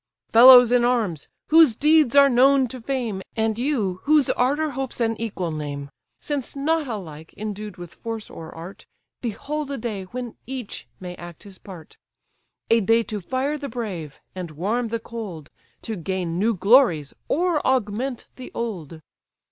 "Fellows in arms! whose deeds are known to fame, And you, whose ardour hopes an equal name! Since not alike endued with force or art; Behold a day when each may act his part! A day to fire the brave, and warm the cold, To gain new glories, or augment the old.